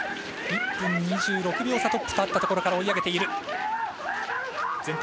１分２６秒差トップとあったところから追い上げている。